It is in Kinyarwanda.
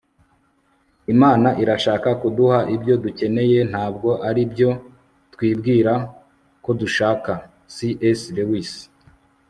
imana irashaka kuduha ibyo dukeneye, ntabwo ari ibyo twibwira ko dushaka - c s lewis